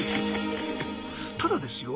ただですよ